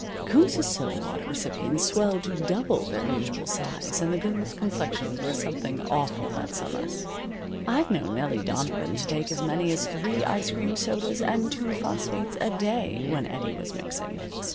Kunz's soda water receipts swelled to double their usual size, and the girls' complexions were something awful that summer. I've known Nellie Donovan to take as many as three ice cream sodas and two phosphates a day when Eddie was mixing.